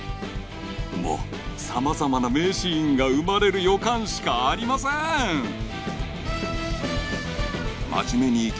もう様々な名シーンが生まれる予感しかありません素晴らしい！